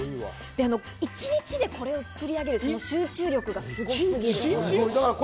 一日でこれを作り上げる、その集中力がすごいと。